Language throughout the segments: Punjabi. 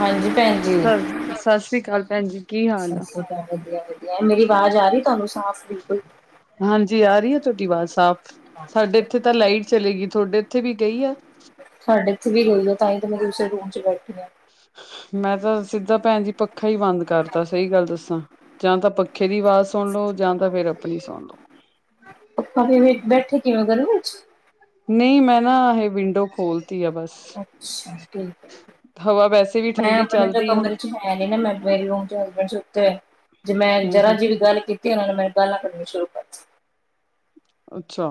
ਹਾਂਜੀ, ਸ ਭੈਣਜੀ ਸਤਿ ਸ੍ਰੀ ਅਕਾਲ ਭੈਣ ਜੀ ਕੀ ਹਾਲ ਸਤਿ ਆ? ਸ੍ਰੀ ਅਕਾਲ ਵਧੀਆ -ਵਧੀਆ, ਮੇਰੀ ਆਵਾਜ਼ ਆ ਰਹੀ ਤੁਹਾਨੂੰ ਸਾਫ਼ ਬਿਲਕੁਲ ਹਾਂਜੀ ਆ ਰਹੀ ਆ ਤੁਹਾਡੀ ਆਵਾਜ਼ ਸਾਫ਼, ਸਾਡੇ ਇੱਥੇ ਤਾਂ ਲਾਈਟ ਚਲੇਗੀ ਤੁਹਾਡੇ ਇੱਥੇ ਵੀ ਗਈ ਆ ਤੁਹਾਡੇ ਇੱਥੇ ਵੀ ਰਈ ਆ ਤਾਂ ਹੀ ਮੈਂ ਦੂਸਰੇ ਰੂਮ ਚ ਬੈਠੀ ਹਾਂ ਮੈਂ ਤਾਂ ਸਿੱਧਾ ਭੈਣ ਜੀ ਪੱਖਾ ਹੀ ਬੰਦ ਕਰਤਾ ਸਹੀ ਗੱਲ ਦੱਸਾਂ ਜਾਂ ਤਾਂ ਪ ਪੱਖੇ ਦੀ ਆਵਾਜ਼ ਸੁਣ ਲੋ ਜਾਂ ਤਾਂ ਫੇਿਰ ਆਪਣੀ ਸੁਣ ਲੋ ਬੈਠੀ ਕਿਵੇਂ ਹੋ ਗਰਮੀ ਚ ਨਹੀਂ ਮੈਂ ਨਾ ਇਹ ਵਿੰਡੋ ਖੋਲਤੀ ਆ ਬਸ ਅੱਛਾ ਠੀਕ ਹਵਾ ਹੈ ਵੈਸੇ ਵੀ ਮੈਂ ਠੰਡੀ ਆਪਣੇ ਚੱਲਦੀ ਆ ਕਮਰੇ ਹੈ ਨਹੀਂ ਨਾ ਮੈਂ ਮੇਰੇ ਰੂਮ ਵਿੱਚ ਮੇਰੇ ਹਸਬੈਂਡ ਸੁੱਤੇ ਹੋਏ ਨੇਤੇ ਜੇ ਮੈਂ ਹੂੰ ਜਰਾ ਹੂੰ ਜੀ ਵੀ ਗੱਲ ਕੀਤੀ ਨਾਲ ਮੈਂ ਬਾਲਾਂ ਕੱਢ ਸ਼ੁਰੂ [inaudible] ਅੱਛਾ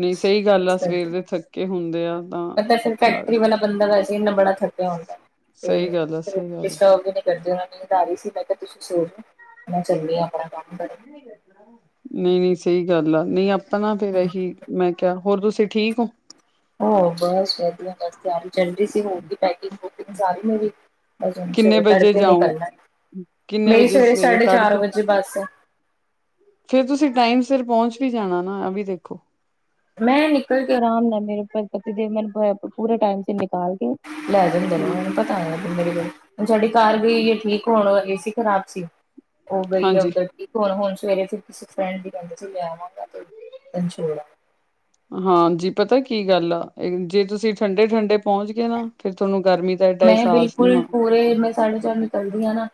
ਨਹੀਂ ਸਹੀ ਗੱਲ ਆ ਸਵੇਰ ਦੇ ਥੱਕੇ ਹੁੰਦੇ ਆ ਤਾਂ ਮਤਲਬ ਫਿਰ ਲੱਗ ਫੈਕਟਰੀ ਵਾਲਾ ਬੰਦਾ ਵੈਸੇ ਇੰਨਾ ਬੜਾ ਥੱਕਿਆ ਹੁੰਦਾ ਸਹੀ ਗੱਲ ਆ ਸਹੀ ਗੱਲ ਆ। ਤੇ ਕਰਦੇ ਉਹਨਾਂ ਨੇਧਾਰੀ ਸੀ ਮੈਂ ਕਿਹਾ ਤੁਸੀਂ ਸੋ ਹੋ ਮੈਂ ਚੱਲੇ ਆਪਣਾ ਕੰਮ ਨਹੀਂ ਸਹੀ ਗੱਲ ਆ ਨਹੀਂ ਆਪਾਂ ਨਾ ਫੇਿਰ ਇਹੀ ਮੈਂ ਕਿਹਾ ਹੋਰ ਤੁਸੀਂ ਠੀਕ ਹੋ? ਹੋ ਬਸ ਵਧੀਆ ਬਸ ਤਿਆਰੀ ਕਰਦੀ ਸੀ। ਹੋਗੀ ਪੈਕਿੰਗ ਹੋਗੀ ਸਾਰੀ ਮੇਰੀ। ਬਸ ਕਿੰਨੇ ਸਵੇਰੇ ਵਜੇ ਤੜਕੇ ਜਾਉ ਨਿਕਲਨਾ, ਕਿੰਨੇ ਮੇਰੀ ਵਜੇ ਸਵੇਰੇ ਸਾਢੇ ਚਾਰ ਤੜਕੇ ਵਜੇ ਬੱਸ ਹੈ ਫੇਰ ਤੁਸੀਂ ਟਾਈਮ ਸਿਰ ਪਹੁੰਚ ਵੀ ਜਾਣਾ ਨਾ, ਇਹ ਵੀ ਦੇਖੋ ਮੈਂ ਨਿਕਲ ਕੇ ਆਰਾਮ ਨਾਲ ਮੇਰੇ ਪਤੀ ਦੇਵ ਮੈਨੂੰ ਪੂਰੇ ਟਾਈਮ ਤੇ ਨਿਕਾਲ ਕੇ ਲੈ ਜਾਂਦੇ ਨੇ ਹਾਂ ਉਹਨੂੰ ਪਤਾ ਨਾ ਮੇਰੀ ਗੱਲ, ਹੁਣ ਜਿਹੜੀ ਕਾਰ ਗਈ, ਠੀਕ ਹੋਣ ਏ ਸੀ ਖਰਾਬ ਸੀ ਹੋ ਗਈ ਹੈ ਹਾਂਜੀ। ਉੱਧਰ ਹੁਣ- ਹੁਣ ਸਵੇਰੇ ਫ ਕਿਸੇ ਫਰੈਂਡ ਦੀ ਗੱਡੀ ਲੈ ਆਵਾਂਗਾ, ਫੇਰ ਛੋੜ ਆਵਾਂਗਾ ਹਾਂਜੀ, ਪਤਾ ਕੀ ਗੱਲ ਆ, ਜੇ ਤੁਸੀਂ ਠੰਡੇ -ਠੰਡੇ ਪਹੁੰਚ ਗਏ ਨਾ, ਫਿਰ ਤੁਹਾਨੂੰ ਗਰਮੀ ਦਾ ਏਡਾ ਮੈਂ ਅਹਿਸਾਸ ਨਹੀਂ ਬਿਲਕੁਲ ਹੋਣਾ ਪੂਰੇ ਮੈਂ ਸਾਢੇ ਚਾਰ ਨਿਕਲਦੀ ਹਾਂ ਨਾ,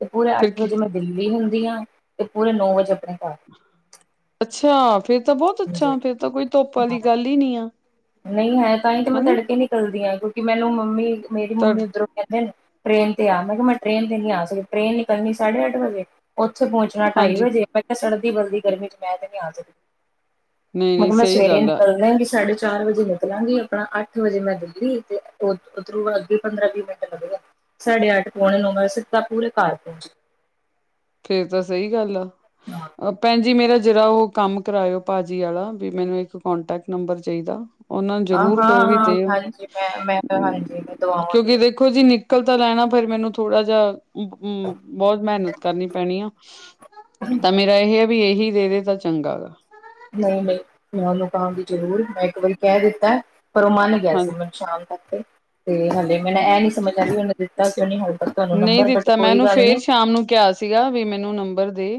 ਤੇ ਪੂਰੇ ਫਿਰ ਅੱਠ ਕੀ ਵਜੇ ਮੈਂ ਦਿੱਲੀ ਹੁੰਦੀ ਆ, ਤੇ ਪੂਰੇ ਨੌ ਵਜੇ ਆਪਣੇ ਘਰ ਅੱਛਾ ਫੇਰ ਤਾਂ ਬਹੁਤ ਹਾਂਜੀ ਅੱਛਾ, ਫੇਰ ਤਾਂ ਕੋਈ ਧੁੱਪ ਵਾਲੀ ਹਾਂ ਗੱਲ ਹੀ ਨੀ ਆ, ਹਨਾ ਚੱਲਦੀਆਂ, ਕਿਉਂਕਿ ਮੈਨੂੰ ਮੰਮੀ, ਮੇਰੀ ਤੁਹਾ ਮੰਮੀ ਉੱਧਰੋਂ ਕਹਿੰਦੇ ਨੇ ਟ੍ਰੇਨ ਤੇ ਆ ਮੈਂ ਕਿਹਾ ਮੈਂ ਟ੍ਰੇਨ ਤੇ ਨੀ ਆ ਸਕਿਆ ਟ੍ਰੇਨ ਨਿਕਲਣੀ ਸਾਢੇ ਅੱਠ ਵਜੇ ਉੱਥੇ ਪਹੁੰਚਣਾ ਢਾਈ ਹਾਂਜੀ ਵਜੇ ਮੈਂ ਕਿਹਾ ਸਰਦੀ ਬਲਦੀ ਗਰਮੀ ਚ ਮੈਂ ਤੇ ਨੀ ਆ ਸਕਦੀ ਮਗ ਨਹੀਂ-ਨਹੀਂ ਕਿਹਾ ਮੈਂ ਸਹੀ ਸਵੇਰੇ ਗੱਲ ਆ ਨਿਕਲਦਾ ਵੀ ਸਾਢੇ ਚਾਰ ਵਜੇ ਨਿਕਲਾਂਗੀ ਆਪਣਾ ਅੱਠ ਵਜੇ ਮੈਂ ਦਿੱਲੀ ਤੇ ਉੱਧਰੋਂ ਅੱਗੇ ਪੰਦਰਾਂ ਵੀਹ ਮਿੰਟ ਲੱਗਗਾ ਸਾਢੇ ਅੱਠ ਪਉਣੇ ਨੌ ਮੈਂ ਸਿੱਧਾ ਪੂਰੇ ਘਰ ਪਹੁੰਚ ਫੇਰ ਤਾਂ ਸਹੀ ਗੱਲ ਹਾਂ ਆ ਭੈਣ ਜੀ ਮੇਰਾ ਜਰਾ ਉਹ ਕੰਮ ਕਰਾਇਓ ਭਾਜੀ ਵਾਲਾ ਵੀ ਮੈਨੂੰ ਇੱਕ ਕੋਂਟੈਕਟ ਨੰਬਰ ਚਾਹੀਦਾ ਉਹਨਾਂ ਹਾਂ ਜ਼ਰੂਰ ਕ ਵੀ ਹਾਂ ਦੇਓ ਹਾਂਜੀ ਮੈਂ ਮੈਂ ਹਾਂਜੀ ਮੈਂ ਕਿਉਂਕਿ ਦਵਾਵਾਂਗੀ ਦੇਖ ਦੇਖੋ ਜੀ ਨਿਕਲ ਤਾਂ ਲੈਣਾ ਫੇਿਰ ਮੈਨੂੰ ਥੋੜਾ ਜਿਹਾ ਬਹੁਤ ਮਿਹਨਤ ਕਰਨੀ ਪੈਣੀ ਤਾਂ ਮੇਰਾ ਇਹ ਹੈ ਵੀ ਇਹੀ ਦੇ ਦੇ ਤਾਂ ਚੰਗਾ ਗਾ ਨਹੀਂ ਨਹੀਂ ਮੈਂ ਉਹਨੂੰ ਕਹਾਂਗੀ ਜ਼ਰੂਰ ਮੈਂ ਇੱਕ ਵਾਰੀ ਕਹਿ ਦਿੱਤਾ ਪਰ ਉਹ ਮਨ ਗਿਆ ਸੀ ਹਾਂਜੀ ਮੈਨੂੰ ਸ਼ਾਮ ਤ ਤੇ ਹਾਲੇ ਮੈਨ ਇਹ ਨੀ ਸਮਝ ਆ ਵੀ ਮਨੂੰ ਦਿੱਤਾ ਕਿ ਕਿਉਂ ਨਹੀਂ ਹਲੇ ਤੱਕ ਤੁਹਾਨੂੰ ਨਹੀਂ ਨੰਬਰ ਬਟ ਦਿੱਤਾ ਮੈਂ ਕੋਈ ਉਹਨੂੰ ਗੱਲ ਫੇਰ ਨੀ ਸ਼ਾਮ ਨੂੰ ਕਿਹਾ ਸੀਗਾ ਵੀ ਮੈਨੂੰ ਨੰਬਰ ਦੇ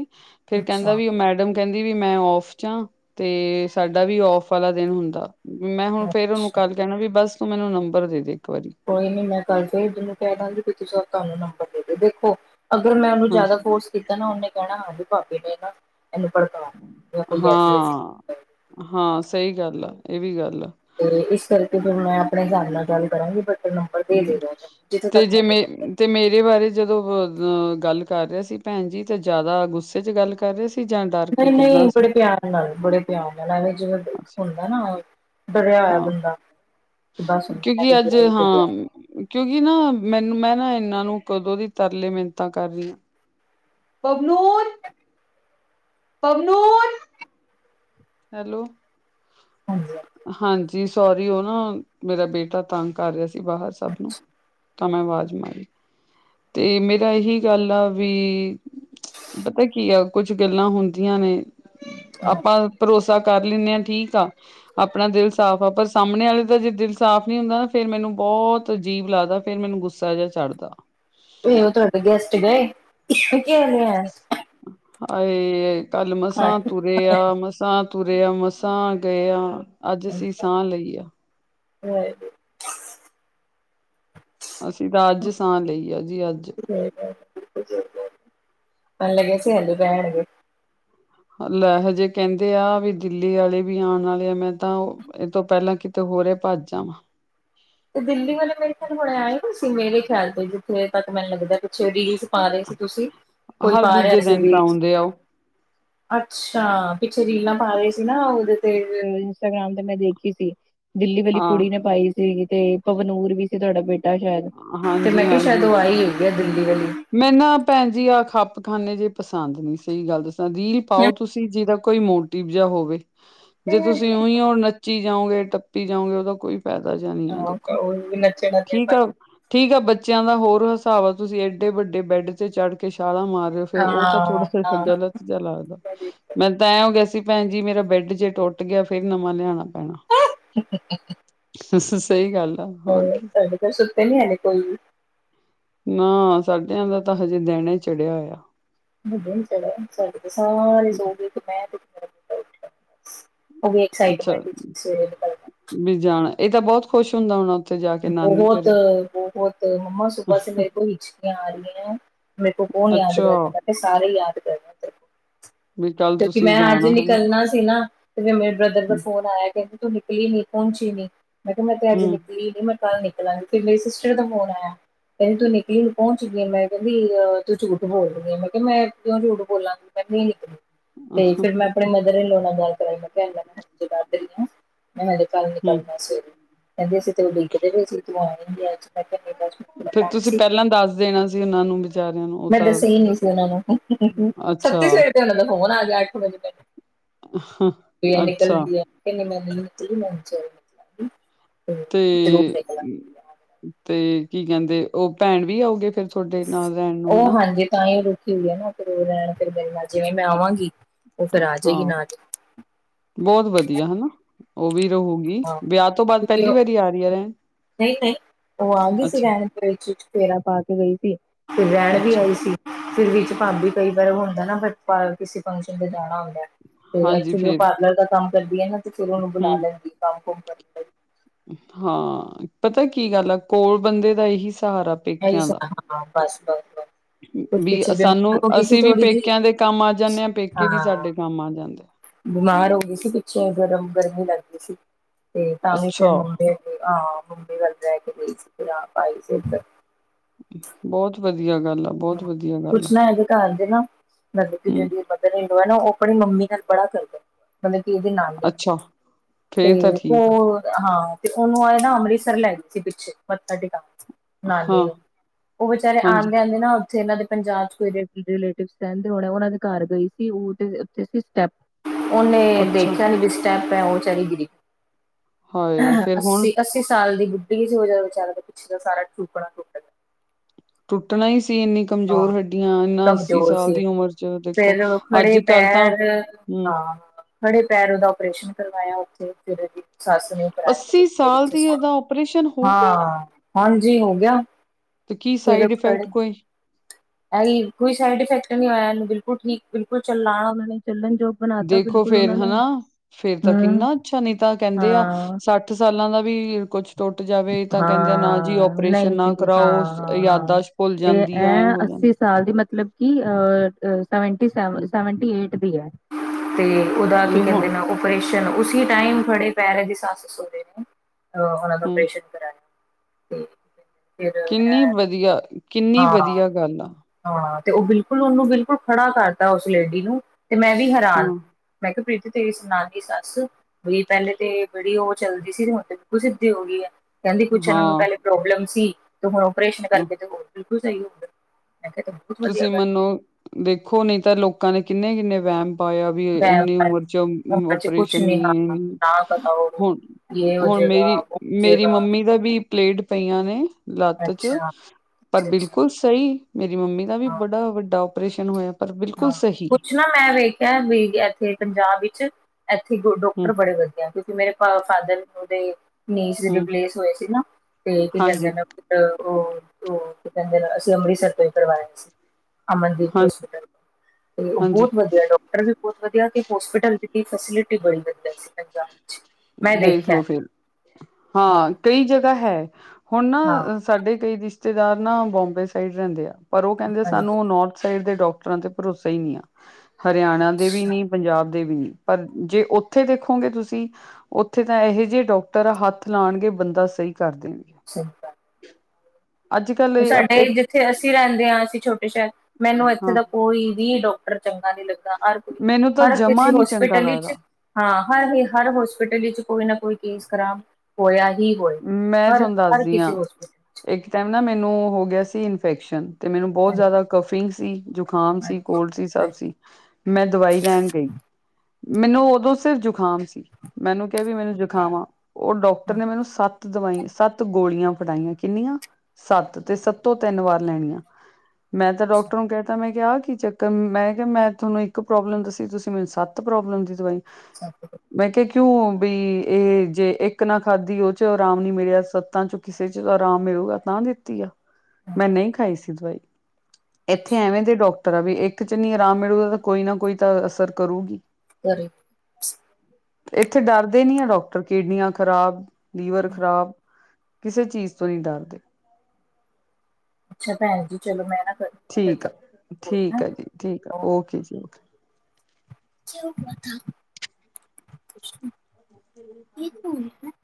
ਫੇਿਰ ਕਹਿੰਦਾ ਅੱਛਾ ਵੀ ਉਹ ਮੈਡਮ ਕਹਿੰਦੀ ਵੀ ਮੈਂ ਔਫ ਚ ਆ ਤੇ ਸਾਡਾ ਵੀ ਔਫ ਵਾਲਾ ਦਿਨ ਹੁੰਦਾ ਮੈਂ ਹੁਣ ਫਿਰ ਉਹਨੂੰ ਅੱਛਾ ਕੱਲ ਕਹਿਣਾ ਵੀ ਬਸ ਤੂੰ ਮੈਨੂੰ ਨੰਬਰ ਦੇ ਇੱਕ ਵਾਰੀ ਕੋਈ ਨੀ ਮੈਂ ਕੱਲ ਫਿਰ ਉਹਨੂੰ ਕਹਿ ਤਾ ਕਿ ਤੁਹਾਨੂੰ ਨੰਬਰ ਦੇ ਦੋ ਦੇਖੋ ਅਗਰ ਮੈਂ ਉਹਨੂੰ ਹਾਂਜੀ ਜ਼ਿਆਦਾ ਫੋਰਸ ਕੀਤਾ ਨਾ ਉਹਨੇ ਕਹਿਣਾ ਹਾਂਜੀ ਭਾਬੀ ਨੇ ਨਾ ਇਹਨੂੰ ਭੜਕਾਓ ਹਾਂ -ਹਾਂ ਸਹੀ ਗੱਲ ਆ ਇਹ ਵੀ ਗੱਲ ਆ ਤੇ ਇਸ ਕਰਕੇ ਫਿਰ ਮੈਂ ਆਪਣੇ ਹਿਸਾਬ ਨਾਲ ਗੱਲ ਕਰਾਂਗੀ ਬਟ ਨੰਬਰ ਦੇ ਹੂ ਦੇਗਾ ਜਿੱਥੇ ਤੇ ਤੱਕ ਜੇ ਮੈਨੂੰ ਮੇ ਲੱਗਦਾ ਤੇ ਮੇਰੇ ਬਾਰੇ ਜਦੋਂ ਗੱਲ ਕਰ ਰਿਹਾ ਸੀ ਭੈਣ ਜੀ ਤੇ ਜ਼ਿਆਦਾ ਗੁੱਸੇ ' ਗੱਲ ਕਰ ਰਹੇ ਸੀ। ਜਾਂ ਡਰ ਕੇ ਨਹੀਂ -ਨਹੀਂ ਕਿੱਦਾਂ ਸੀ ਬੜੇ ਪਿਆਰ ਨਾਲ ਬੜੇ ਪਿਆਰ ਨਾਲ ਐਵੇਂ ਜਿਵੇਂ ਅੱਛਾ, ਹੁੰਦਾ ਨਾ ਡਰਿਆ ਹੋਇਆ ਹਾਂ ਬੰਦਾ ਬੱਸ ਇਹ ਤਾਂ ਕਿਉਂਕਿ ਅੱਜ ਗਿਆ ਹੀ ਤੇ ਗਿਆ ਹਾਂ ਕਿਉਂਕਿ ਨਾ ਮੈਨੂੰ ਮੈਂ ਨਾ ਇਹਨਾਂ ਨੂੰ ਕਦੋਂ ਦੀ ਤਰਲੇ ਮਿਨਤਾਂ ਕਰ ਰਹੀ ਹਾਂ। ਬਵਨੂਰ ਬਵਨੂਰ ਹੈਲੋ ਹਾਂਜੀ ਹਾਂਜੀ ਸੋਰੀ ਉਹ ਨਾ ਮੇਰਾ ਬੇਟਾ ਤੰਗ ਕਰ ਰਿਹਾ ਸੀ ਬਾਹਰ ਸਭ ਨੂੰ ਤਾਂ ਮੈਂ ਆਵਾਜ਼ ਮਾਰੀ ਤੇ ਮੇਰਾ ਇਹੀ ਗੱਲ ਆ ਵੀ ਪਤਾ ਕੀ ਆ ਕੁੱਝ ਗੱਲਾਂ ਹੁੰਦੀਆਂ ਨੇ ਹਾਂ ਆਪਾਂ ਭਰੋਸਾ ਕਰ ਲੈਂਦੇ ਆਂ ਠੀਕ ਆ ਆਪਣਾ ਦਿਲ ਸਾਫ਼ ਆ ਪਰ ਸਾਹਮਣੇ ਵਾਲੇ ਦਾ ਜੇ ਦਿਲ ਸਾਫ਼ ਨਹੀਂ ਹੁੰਦਾ ਨਾ ਫਿਰ ਮੈਨੂੰ ਬਹੁਤ ਅਜੀਬ ਲੱਗਦਾ ਫ਼ਿਰ ਮੈਨੂੰ ਗੁੱਸ ਸਜ਼ਾ ਚੜਦਾ ਇਹ ਤੋਂ ਹਟ ਗਿਆ ਸੀ ਬੇ [unintelligible] ਆਏ ਕੱਲ ਮਸਾਂ ਤੁਰੇ ਆ ਮਸਾਂ ਤੁਰਿਆ ਮਸਾਂ ਗਏ ਅੱਜ ਅਸੀਂ ਸਾਹ ਲਈ ਆ [unintelligible] ਅਸੀਂ ਰਾਜ ਸਾਂਬ ਲਈ ਆ ਜੀ ਅੱਜ [unintelligible] ਪਹਿਲੇ ਗਏ ਸੀ ਇਹ ਦੁਪਹਿਰ ਹੈ। ਹਾਲੇ ਇਹੋ ਜਿਹੇ ਕਹਿੰਦੇ ਆ ਵੀ ਦਿੱਲੀ ਵਾਲੇ ਵੀ ਆਉਣ ਵਾਲੇ ਆ ਮੈਂ ਤਾਂ ਇਹ ਤੋਂ ਪਹਿਲਾਂ ਕਿਤੇ ਹੋਰ ਭੱਜ ਜਾਵਾਂ ਦਿੱਲੀ ਵਾਲੇ ਮੇਰੇ ਖਿਆਲ ਹੁਣੇ ਆਏ ਹੋ ਤੁਸੀਂ ਮੇਰੇ ਖਿਆਲ ਤੇ ਜਿੱਥੇ ਤੱਕ ਮੈਨੂੰ ਲੱਗਦਾ ਪਿੱਛੇ ਰੀਲਸ ਪਾ ਰਹੇ ਸੀ ਤੁਸੀਂ ਕੋਈ ਹਰ ਪਾ ਰਿਹਾ ਦੂਜੇ ਸੀ ਦਿਨ ਵੀ ਤਾਂ ਰੀਲਸ ਆਉਂਦੇ ਆ ਉਧਰ [inaudible] ਅੱਛਾ ਪਿੱਛੇ ਰੀਲਾਂ ਪਾ ਰਹੇ ਸੀ ਨਾ ਉਹਦੇ ਤੇ ਇੰਸਟਾਗ੍ਰਾਮ ਤੇ ਮੈਂ ਦੇਖੀ ਸੀ। ਦਿੱਲੀ ਵਾਲੀ ਹਾਂ ਕੁੜੀ ਨੇ ਪਾਈ ਸੀਗੀ ਤੇ ਪਵਨੂਰ ਵੀ ਸੀ ਤੁਹਾਡਾ ਬੇਟਾ ਸ਼ਾਇਦ ਤੇ ਮੈਂ ਕਿਹਾ ਸ਼ਾਇਦ ਉਹ ਆਈ ਹੋਗੀ ਦਿੱਲੀ ਵਾਲੀ ਮੈ ਨਾ ਭੈਣ ਜੀ ਆਹ ਖੱਪ ਖਾਨੇ ਜੇ ਪਸੰਦ ਨੀ ਸਹੀ ਗੱਲ ਦੱਸਾਂ ਰੀਲ ਪਾਓ ਤੁਸੀਂ ਜਿਹਦਾ ਕੋਈ ਮੋਟਿਵ ਜਿਹਾ ਹੋਵੇ ਜੇ ਤੁਸੀਂ ਉਹੀ ਹੋ ਨੱਚੀ ਜਾਓਗੇ ਟੱਪੀ ਜਾਓਗੇ ਉਹਦਾ ਕੋਈ ਪੈਦਾ ਜਾਣੀ ਹਾਂ [unintelligible] ਠੀਕ ਆ ਠੀਕ ਆ ਬੱਚਿਆਂ ਦਾ ਹੋਰ ਹਿਸਾਬ ਤੁਸੀਂ ਇਡੇ ਵੱਡੇ ਬੈਡ ਚ ਚੜ੍ਹ ਕੇ ਛਾਲਾਂ ਮਾਰ ਰਹੇ ਹੋ। ਫਿਰ ਉਹ ਤਾਂ ਥੋੜਾ ਹਾਂ-ਹਾਂ। ਗਲਤ ਜਿਹਾ ਲੱਗਦਾ ਮੈਂ ਤਾਂ ਐਂ ਹੋ ਗਿਆ ਸੀ ਭੈਣ ਜੀ ਮੇਰਾ ਬੈਡ ਜੇ ਟੁੱਟ ਗਿਆ ਫਿਰ ਨਵਾਂ ਲਿਆਉਣਾ ਪੈਣਾ [unintelligible] ਸਹੀ ਗੱਲ ਆ ਹੋਰ ਕੀ ਹਾਲੇ ਤਾਂ ਸੁੱਤੇ ਨੀ ਹੈ ਕੋਈ ਵੀ ਨਾ ਸਾਡੀਆਂ ਦਾ ਤਾਂ ਹਜੇ ਦਿਨ ਹੀ ਚੜਿਆ ਹੋਇਆ ਪਰ ਦਿਨ ਚੜਿਆ ਸਾਡੇ ਤੇ ਸਾਰੇ ਸੋ ਗਏ ਦੁਪਹਿਰ ਤੋਂ ਬਾਅਦ ਉੱਠੇ ਬਸ ਉਹ ਵੀ ਅੱਛਾ ਐਕਸਾਈਟਮੈਂਟ ਸਵੇਰੇ ਨਿਕਲਣਾ ਵੀ ਜਾਣਾ ਇਹ ਤਾਂ ਬਹੁਤ ਖੁਸ਼ ਹੁੰਦਾ ਉਹਨਾਂ ਬਹੁਤ ਬਹੁਤ ਮੰਮਾ ਸੁਬਾਹ ਸ ਮੇਰੇ ਕੋਲ ਹਿਚਕੀਆਂ ਆ ਰਹੀ ਹੈ ਮੇ ਕੋ ਫੋਨ ਯਾਦ ਅੱਛਾ ਕਰ ਮੇ ਸਾਰੇ ਯਾਦ ਕਰ ਵੀ ਕੱਲ ਕਿਉਂਕਿ ਤੁਸੀਂ ਮੈਂ ਅੱਜ ਜਾਣਾ ਹਨਾ ਨਿਕਲਣਾ ਸੀ ਨਾ ਤੇ ਫਿਰ ਮੇਰੇ ਬ੍ਰਦਰ ਦਾ ਹੂੰ ਫੋਨ ਆਇਆ ਕਹਿੰਦੀ ਤੂੰ ਨਿਕਲੀ ਨੀ ਪਹੁੰਚੀ ਨੀ ਮੈਂ ਕਿਹਾ ਮੈਂ ਤੇ ਅੱਜ ਨਿਕਲੀ ਮ ਨਾਲ ਨਿਕਲਾਂਗੇ ਫਿਰ ਮੇਰੇ ਸਿਸਟਰ ਦਾ ਫੋਨ ਆਇਆ ਕਹਿੰਦੀ ਤੂੰ ਨਿਕਲੀ ਨੂੰ ਪਹੁੰਚ ਚੁੀ ਮੈਂ ਕਹਿੰਦੀ ਅ ਤੂੰ ਝੂਠ ਬੋਲ ਰਹੀ ਮੈਂ ਕਿਹਾ ਮੈਂ ਕਿਉਂ ਝੂਠ ਬੋਲਾਂਗੀ ਨਿਕਲੀ ਤੇ ਹੂੰ ਫਿਰ ਮੈਂ ਆਪਣੇ ਮਦਰ ਨੇ ਲਣਾ ਕਰ ਮੈਂੱ ਰਹੀ ਹ ਮੈਂ ਕਹਿੰਦੇ ਘੱਲ ਹੂੰ ਨਿਕਲਣਾ ਸਵੇਰੇ ਕਹਿੰਦੀ ਅਸੀਂ ਤੈ ਡ ਡੀਗਕਦੇ ਵੀ ਅ ਤੂੰ ਆ ਫੇਰ ਤੁਸੀਂ ਪਹਿਲਾਂ ਦੱਸ ਦੇਣਾ ਸੀ ਉਹਨਾਂ ਨੂੰ ਬਚਾਰਿਆਂ ਨੂੰ ਉਹ ਮੈਂ ਤਾਂ ਨਹੀਂ ਸੀ ਉਹਨਾਂ ਨੂੰ। ਮ ਅੱਛਾ ਸੱਤੀ ਸਵੇਰ ਤੇ ਉਹਨਾਂ ਦਾ ਹੋਣ ਆ ਗਿਆ ਅੱਠ ਵਜੇ। ਬਿਆ ਕੱਲ ਅੱਛਾ ਹਮ-ਹਮ। ਤੇ, ਤੇ ਕੀ ਕਹਿੰਦੇ ਉਹ ਭੈਣ ਵੀ ਆਉਗੇ ਫਿਰ। ਤੁਹਾਡੇ ਨਾਲ ਰਹਿਣ ਨੂੰ ਹਨਾ ਉਹ ਹਾਂਜੀ ਤਾਂ ਹੀ ਉਹ ਰੁਕੀ ਹੋਈ ਹੈ ਨਾ। ਫਿਰ ਉਹ ਲੈਣ ਫਿਰ ਗ ਜਿਵੇਂ ਮੈਂ ਆਵਾਂਗੀ, ਤੇ ਫੇਰ ਆ ਹਾਂ ਜਾਏਗੀ ਨਾ। ਬਹੁਤ ਵਧੀਆ ਹਨਾ ਉਹ ਵੀ ਰੂਗੀ, ਹਾਂ ਵਿਆਹ ਤੋਂ ਬਾਅਦ ਪਹਿਲੀ ਵਾਰੀ ਆ ਰਹੀ ਹੈ ਰਹਿਣ। ਨਹੀਂ-ਨਹੀਂ, ਉਹ ਆ ਗਈ ਸੀ ਅੱਛਾ ਰਹਿਣ ਦੇ ਵਿੱਚ ਫੇਰਾ ਪਾ ਕੇ ਗਈ ਸੀ ਤੇ ਰਹਿਣ ਵੀ ਅੱਛਾ ਆਈ ਸੀ। ਫਿਰ ਵਿੱਚ ਭਾਬੀ ਕਈ ਵਾਰ ਹੁੰਦਾ ਨਾ ਫ ਕਿਸੇ ਫੰਕਸ਼ਨ ਤੇ ਜਾਣਾ ਹੁੰਦੈ। ਤੇ ਹਾਂਜੀ ਐਕਚੁਲੀ ਉਹ ਫੇਰ ਪਾਰਲਰ ਦਾ ਕੰਮ ਕਰਦੀ ਹੈ ਨਾ ਤੇ ਫਿਰ ਉਹਨੂੰ ਬੁਲਾ ਹੂੰ ਲੈਂਦੀ ਆ ਕੰਮ ਕੁਮ ਕਰਨ ਲਈ। ਹਾਂ ਪਤਾ ਕੀ ਗੱਲ ਆ ਕੋਲ ਬੰਦੇ ਦਾ ਇਹੀ ਸਹਾਰਾ- ਹਾਂ ਪੇਕਿਆਂ ਦਾ ਬਸ-ਬਸ, ਬਸ। ਕੁਛ ਵੀ ਪਿੱਛੇ ਸਾਨੂੰ ਬਿਮਾਰ ਹੋ ਗਈ ਸੀ ਅਸੀਂ ਵੀ ਥੋੜੀ ਜਿਹੀ ਪੇਕਿਆਂ ਦੇ ਕੰਮ ਆ ਜਾਂਦੇ ਹਾਂ ਪੇਕੇ ਵੀ ਸਾਡੇ ਕੰਮ ਆ ਜਾਂਦੇ ਬਿਮਾਰ ਹੋ ਗਈ ਸੀ ਪਿੱਛੇ ਗਰਮ ਗਰਮੀ ਲੱਗ ਗਈ ਸੀ ਤੇ ਆ। ਤਾਂ ਵੀ ਅੱਛਾ ਫਿਰ ਮੰਮੀ ਹਾਂ ਮੰੰਮੀ ਵੱਲ ਲਹਿ ਕੇ ਗਈ ਸੀ ਤੇ ਆਾਈ ਸੀ ਇਧਰ ਬਹੁਤ ਵਧੀਆ ਗੱਲ ਆ ਬਹੁਤ ਵਧੀਆ ਕੁੱਛ ਗੱਲ ਆ ਨਾ ਇਹਦੇ ਘ ਦੇ ਨਾ ਮਤਲਬ ਕਿ ਹੂੰ ਜਿਹੜੀ ਮਦਰ ਹਦੂ ਹੈ ਨਾ ਉਹ ਆਪਣੀ ਮੰਮੀ ਨਾਲ ਪੜਾ ਕਰਦੇਦੀ ਮਤਲਬ ਕਿ ਇਹਦੇ ਨਾਲ ਹੀ ਅੱਛਾ ਤੇ ਫੇਰ ਤਾਂ ਠੀਕ ਆ ਉਹ ਹਾਂ ਤੇ ਉਹਨੂੰ ਆਏ ਨਾ ਅੰਮ੍ਰਿਤਸਰ ਲੈ ਗਈ ਸੀ ਪਿੱਛੇ ਮੱਥਾ ਟੇਕਾ ਨਾਨੀ ਹਾਂ ਨੂੰ ਉਹ ਵਿਚੇਚਾਰੇ ਹਾਂਜੀ ਆਉਂਦੇ ਆਉਂਦੇ ਉਥੇ ਇਹ ਦੇ ਪੰਜਾਬ ਚਟਿਵ ਰਹਿੰਦੇ ਹੋ ਉਹਨਾਂ ਦੇ ਘਰ ਗਈ ਸੀ ਉਹ ਉੇ ਸਟਪ ਉਹਨੇ ਅੱਛਾ ਦੇਖਿਆ ਨ ਵੀ ਸਟੈਪ ਹੈ ਉਹ ਚਾਰੀ ਗਿਰੀ ਹਾਏ ਫੇਰ ਹੁਣ ਅੱਸੀ ਅੱਸੀ ਸਾਲ ਦੀ ਬੁੱਢ ਜ ਉਹ ਜ ਵਿਚਾਰਾ ਦਾ ਪਿੱਛੇ ਦਾ ਸਾਰਾ ਟੁਕਣਾ ਟੁਟ ਗਿਆ ਟੁੱਟਣਾ ਹੀ ਸੀ ਇੰਨੀ ਕਮਜ਼ੋਰ ਹਾਂ ਹੱਡੀਆਂ ਇਹਨਾਂ ਅੱਸੀ ਕਮਜ਼ੋਰ ਸਾਲ ਸੀ ਦੀ ਉਮਰ ਚ ਦੇਖੋ ਫੇਰ ਅੱਜ ਖੜੇ ਕੱਲ੍ਹ ਤਾਂ ਹਮ ਖੜ੍ਹੇ ਪੈਰ ਉਹਦਾ ਆਪਰੇਸ਼ਨ ਕਰਵਾ ਦਿੱਤਾ, ਉੱਥੇ ਹੀ। ਸੱਸ ਨੇ ਕਰਆ, ਅੱਸੀ ਸਾਲ ਦੀ ਉਹਦਾ ਓਪਰੇਸ਼ਨ ਹੋ ਗਿਆ ਹਾਂ ਹਾਂਜੀ ਹੋ ਗਿਆ। ਤੇ ਕੀ ਸਾਈਡ ਇਫੈਕਟ ਕੋਈ। ਐ ਕੋਈ ਸਾਈਡ ਇਫੈਕਟ ਨਹੀਂ ਹੋਇਆ ਬਿਲਕੁਲ ਠੀਕ, ਬਿਲਕੁਲ ਚੱਲਾਣਾ ਉਹ ਨੇ ਚੱਲਣ ਜੋ- ਦੇਖੋ ਫੇਰ ਹਨਾ, ਫੇਰ ਤਾਂ ਹੂੰ ਕਿੰਨਾ ਅੱਛਾ ਨਹੀਂ ਤਾਂ ਕਹਿੰਦੇ ਆ ਹਾਂ ਸੱਟ ਸਾਲਾਂ ਦਾ ਵੀ ਕੁੱਛ ਟੁੱਟ ਜਾਵੇ ਤਾਂ ਕਹਿੰਦੇ ਨਾ ਜੀ ਹਾਂ ਓਪਰੇਸ਼ਨ ਨਹੀਂ ਨਾ ਠੀਕ ਹਾਂ ਕਰਾਓ ਹਾਂ ਹਾਂ ਯਾਦਾਸ਼ ਭੁੱਲ ਤੇ ਜਾਂਦੀ ਆ ਇਹ ਹੂਣ ਅੱਸੀ ਸਾਲ ਦੀ ਮਤਲਬ ਕਿ ਸਵ ਹੂੰ, ਸੈਵਨਟੀ ਏਟ ਦੀ ਆ ਤੇ ਉਹਦਾ ਕੀ ਵੀ ਕਹਿੰਦੇ ਹੁਣ ਨੇ ਓਪਰੇਸ਼ਨ ਉਸੀ ਟਾਈਮ ਖੜੇ ਪੈਰੇ ਦੇ ਸਾਸਿਸ ਹੋਦੇ ਨੇ ਅ ਉਹਨਾਂ ਦਾ ਹੂੰ, ਪੇਸ਼ਨ ਕਰਾ ਕਿੰਨੀ ਵਧੀਆ, ਕਿੰਨੀ ਹਾਂ ਵਧੀਆ ਗੱਲ ਆ। ਹਾਂ ਤੇ ਉਹ ਬਿਲਕੁਲ ਉਹਨੂੰ ਬਿਲਕੁਲ ਖੜਾ ਕਰਦਾ ਉਸ ਲੇਡੀ ਨੂੰ ਤੇ ਮੈਂ ਵੀ ਹੈਰਾਨ ਹਾਂ, ਮੈਂ ਕਿਹਾ ਪ੍ਰੀਤੀ ਤੇਰੀ ਸੁਣਾਦੀ ਸੱਸ। ਬਈ ਪਹਿਲੇ ਤੇ ਬੜੀ ਉਹ ਚੱਲਦੀ ਸੀ ਤੇ ਹੁਣ ਬਿਲਕੁਲ ਸਿੱਧੀ ਹੋ ਗਈ ਆ। ਕਹਿੰਦੀ ਪੁੱਛਣ ਉਹ ਨੂੰ ਹਾਂ, ਪਹਿਲੇ ਪ੍ਰੋਬਲਮ ਸੀ ਤੇ ਹੁਣ ਓਪਰੇਸ਼ਨ ਹਾਂ, ਕਰਕੇ ਤੇ ਹੋ ਬਿਲਕੁਲ ਸਹੀ [unintelligible] ਤੁਸੀਂ ਗੱਲ ਮੈਨੂੰ ਦੇਖੋ, ਨਹੀਂ ਤਾਂ ਲੋਕਾਂ ਨੇ ਕਿੰਨੇ-ਕਿੰਨੇ ਵਹਿਮ ਪਾਇਆ ਵੀ ਇੰਨੀ ਵਹਿਮ ਉਮਰ ਚ ਉਮਰ ਚ ਕੁਛ ਓਪਰੇਸ਼ਨ ਨੀ ਹਾਂ ਨਹੀਂ, ਨਾ ਕਰਾਓ ਹੁਣ ਯੇ ਹੋ ਹੁਣ ਜਾਏਗਾ ਮੇਰੀ, ਉਹ ਹੋ ਮੇਰੀ ਜਾਏਗਾ ਮੰਮੀ ਦਾ ਵੀ ਪਲੇਟ ਪਈਆਂ ਨੇ ਲੱਤ ਚ, ਅੱਛਾ ਪਰ ਅੱਛਾ ਅੱਛਾ ਬਿਲਕੁਲ ਸਹੀ। ਮੇਰੀ ਮੰਮੀ ਦਾ ਵੀ ਹਾਂ ਬੜਾ ਵੱਡਾ ਓਪਰੇਸ਼ਨ ਹੋਇਆ, ਪਰ ਬਿਲਕੁਲ ਸਹੀ। ਇਕ ਨਾ ਮੈਂ ਵੇਖਿਆ ਵੀ ਇਥੇ ਪੰਜਾਬ ਵਿੱਚ, ਇਥੇ ਹੂੰ ਡੋਕਟਰ ਬੜੇ ਵਧੀਆ। ਮੇਰੇ ਫਾਦਰ ਨੂੰ ਦੇ ਨੀਸ ਹੂੰ ਰਿਪਲੇਸ ਹੋਏ ਸੀ ਨਾ ਤੇ ਕੀ ਕਹਿੰਦੇ ਹਾਂਜੀ ਉਹ ਓ ਕੀ ਕਹਿੰਦੇ, ਅਸੀਂ ਅੰਮ੍ਰਿਤਸਰ ਤੋਂ ਹੀ ਕਰਵਾਇਆ ਸੀ ਅਮਨਦੀਪ ਹਾਂ ਹੋਸਪਿਟਲ। ਤੇ ਉਹ ਹਾਂਜੀ ਬਹੁਤ ਵਧੀਆ ਡਾਕਟਰ ਵੀ ਬਹੁਤ ਵਧੀਆ ਤੇ ਹੋਸਪੀਟਲ ਦੀ ਫੈਸਿਲਿਟੀ ਬੜੀ ਵਧੀਆ ਸੀ, ਪੰਜਾਬ ਵਿੱਚ ਮੈਂ ਦੇਖ ਦੇਖਿਆ ਲੋ ਫਿਰ, ਹਾਂ। ਕਈ ਜਗ੍ਹਾ ਹੈ ਹੁਣ ਹਾਂ ਨਾ ਸਾਡੇ ਕਈ ਰਿਸ਼ਤੇਦਾਰ ਨਾ ਬੌਬੇ ਸਾਈਡ ਰਹਿੰਦੇ ਆ, ਪਰ ਉਹ ਕਹਿੰਦੇ ਹਾਂਜੀ ਸਾਨੂੰ ਨੌਰਥ ਸਾਈਡ ਦੇ ਡਾਕਟਰਾਂ ਤੇ ਭਰੋਸਾ ਹੀ ਨਈ ਆ, ਹਰਿਆਣਾ ਦੇ ਵੀ ਅੱਛਾ, ਨੀ, ਪੰਜਾਬ ਦੇ ਵੀ ਨੀ, ਪਰ ਜੇ ਉੱਥੇ ਦੇਖੋਗੇ ਤੁਸੀਂ ਉੱਥੇ ਤਾਂ ਇਹੋ ਜਿਹੇ ਡਾਕਟਰ ਹੱਥ ਲਾਉਣਗੇ, ਬੰਦਾ ਸਹੀ ਕਰ ਦੇਣਗੇ। ਅੱਛਾ [unintelligible] ਅੱਜ ਕੱਲ ਇਹ ਸਾਡੇ ਇੱਕ ਜਿੱਥੇ ਅਸੀਂ ਰਹਿੰਦੇ ਹਾਂ, ਅਸੀਂ ਛੋਟੇ ਸ਼ਹਿਰ ਮੈਨੂੰ ਇੱਥੇ ਹਾਂ ਦਾ ਕੋਈ ਵੀ ਡਾਕਟਰ ਚੰਗਾ ਨਈ ਲੱਗਦਾ, ਹਰ ਕੋਈ, ਮੈਨੂੰ ਤਾਂ ਹਰ ਕਿਸੇ ਜਮਾ ਨੀ ਚੰਗਾ ਹੋਸਪਿਟਲ ਲੱਗਦਾ ਵਿੱਚ ਹਾਂ, ਹਰ ਹੀ ਹਰ ਹੋਸਪਿਟਲ ਵਿੱਚ ਕੋਈ ਨਾ ਕੋਈ ਕੇਸ ਖ਼ਰਾਬ ਹੋਇਆ ਹੀ ਹੀ ਹੋਏ ਮੈਂ ਹਰ, ਤੁਹਾਨੂੰ ਹਰ ਦੱਸਦੀ ਕਿਸੇ ਹਾਂ ਹੋਸਪਿਟਲ ਇੱਕ ਟਾਈਮ ਨਾ ਮੈਨੂੰ ਹੋ ਗਿਆ ਸੀ, ਇਨਫੈਕਸ਼ਨ ਤੇ ਮੈਨੂੰ ਬਹੁਤ ਹਾਂਜੀ ਜ਼ਿਆਦਾ ਕਫਿੰਗ ਸੀ ਜੋ ਹਾਮ ਸੀ, ਹਾਂਜੀ ਕੋਲਡ ਸੀ, ਸਭ ਹਾਂਜੀ ਸੀ, ਮੈਂ ਦਵਾਈ ਲੈਣ ਗਈ। ਮੈਨੂੰ ਉਦੋਂ ਸਿਰ ਜੁਕਾਮ ਸੀ, ਮੈ ਓਨੂੰ ਕਿਹਾ ਵੀ ਮੈਨੂੰ ਜੁਕਾਮ ਹਾ, ਉਹ ਡਾਕਟਰ ਨੇ ਮੈਨੂੰ ਸੱਤ ਦਵਾਈ, ਸੱਤ ਗੋਲੀਆਂ ਫੜਾਈਆਂ, ਕਿੰਨੀਆਂ ਸੱਤ ਤੇ ਸੱਤੋਂ ਤਿੰਨ ਵਾਰ ਲੈਣੀਆਂ। ਮੈਂ ਤਾਂ ਅੱਛਾ ਡਾਕਟਰ ਨੂੰ ਕਹਿਤਾ ਮੈਂ ਕਿਹਾ ਐ ਕੀ ਚੱਕਰ ਮੈਂ ਕਿਹਾ, ਮੈਂ ਤੁਹਾਨੂੰ ਇੱਕ ਪ੍ਰੋਬਲਮ ਦੱਸੀ ਤੁਸੀਂ ਮੈਨੂੰ ਸੱਤ ਪ੍ਰੋਬਲਮ ਦੀ ਦਵਾਈ ਸੱਪ ਤੇ- [unintelligible] ਮੈਂ ਕਿਹਾ, ਕਿਉ ਵੀ ਇਹ ਜੇ ਇੱਕ ਨਾ ਖਾਧੀ ਉਹ ਚ ਆਰਾਮ ਨੀ ਮਿਲਿਆ, ਸੱਤਾਂ ਚ ਕਿਸੇ ਚ ਆਰਾਮ ਮਿਲਲੇਗਾ ਤਾਂ ਦਿੱਤੀ ਆ। ਮੈਂ, ਨਹੀਂ ਖਾਈ ਸੀ ਦਵਾਈ। ਇੱਥੇ ਐਵੇਂ ਦੇ ਡਾਕਟਰ ਆ ਵੀ ਇੱਕ ਚ ਨੀ ਆਰਾਮ ਮਿਲੂਗਾ, ਕੋਈ ਨਾ ਕੋਈ ਤਾਂ ਅਸਰ ਕਰੂਗੀ। ਘਰੇ ਇੱਥੇ ਡਰਦੇ ਨਹੀਂ ਆ ਡਾਕਟਰ, ਕਿਡਨੀਆਂ ਖ਼ਰਾਬ- ਲੀਵਰ ਖ਼ਰਾਬ, ਕਿਸੇ ਚੀਜ਼ ਤੋਂ ਨੀ ਡਰਦੇ। ਅੱਛਾ ਭੈਣ ਜੀ, ਚਲੋ ਮੈਂ ਨਾ ਫੇਰ ਠੀਕ ਆ, ਠੀਕ ਆ ਜੀ, ਠੀਕ ਆ, ਓਕੇ ਜੀ ਓਕੇ। [unintelligible] [unintelligible]